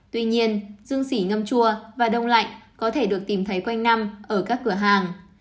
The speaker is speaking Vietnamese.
tuy nhiên dương sỉ ngâm chua và đông lạnh có thể được tìm thấy quanh năm ở các cửa hàng